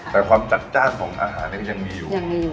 แต่ความจัดจ้านของอาหารก็ยังมีอยู่